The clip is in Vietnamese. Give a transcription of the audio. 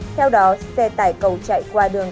theo đó xe tải cầu chạy qua đường